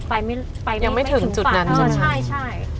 ไปไม่ถึงฝั่งใช่มั้ยใช่ยังไม่ถึงจุดนั้นใช่มั้ย